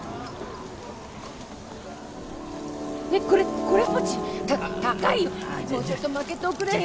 えっこれこれっぽっち？高いよもうちょっとまけておくれよ！